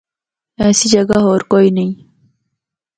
ایسی جگہ ہور کوئی نیں۔